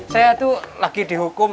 saya tuh lagi dihukum